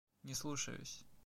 Не слушаюсь.